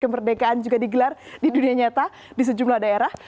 kemerdekaan juga digelar di dunia nyata di sejumlah daerah